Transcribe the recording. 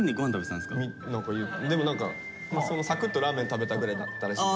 でも何かさくっとラーメン食べたぐらいだったらしい。